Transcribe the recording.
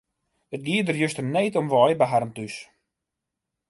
It gie der juster need om wei by harren thús.